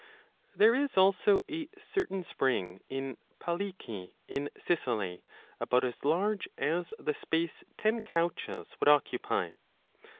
There is also a certain spring in Palici l in Sicily, about 57 as large as the space ten couches would occupy.